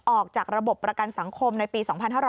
ออกจากระบบประกันสังคมในปี๒๕๕๙